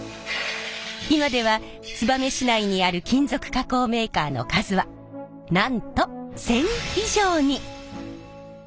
今では燕市内にある金属加工メーカーの数はなんと１，０００以上に！